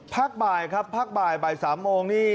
บ่ายครับพักบ่ายบ่าย๓โมงนี่